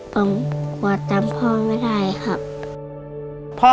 ผมกลัวจำพ่อไม่ได้ครับ